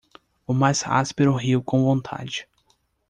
O mais áspero riu com vontade.